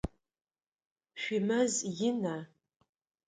Шъуимэз ина?